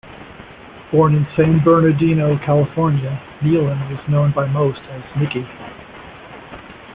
Born in San Bernardino, California, Neilan was known by most as Mickey.